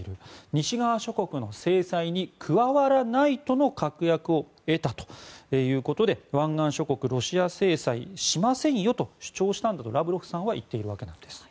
西側諸国の制裁に加わらないとの確約を得たということで湾岸諸国、ロシア制裁しませんと主張したんだとラブロフさんは言っているわけです。